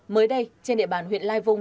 mới đây trên địa bàn huyện lai vung